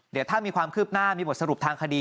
เดี๋ยวถ้ามีความคืบหน้ามีบทสรุปทางคดี